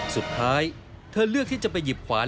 สุดท้ายเธอเลือกที่จะไปหยิบขวาน